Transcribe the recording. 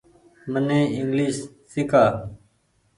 مني انگليش سيڪآ۔